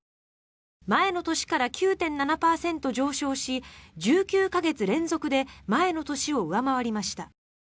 前の年から９．７％上昇し１９か月連続で前の年を上回りました。